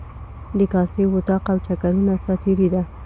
د کاسې، وطاق او چکرونو ساعتیري ده.